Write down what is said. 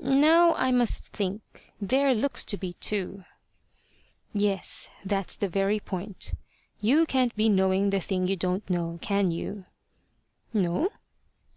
"Now I must think. There looks to be two." "Yes. That's the very point. You can't be knowing the thing you don't know, can you?" "No."